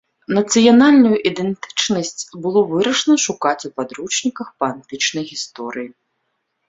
Нацыянальную ідэнтычнасць было вырашана шукаць у падручніках па антычнай гісторыі.